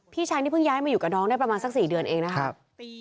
พี่ชายนี่เพิ่งย้ายมาอยู่กับน้องได้ประมาณสัก๔เดือนเองนะครับ